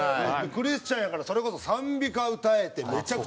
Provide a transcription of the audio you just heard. クリスチャンやからそれこそ賛美歌歌えてめちゃくちゃうまい。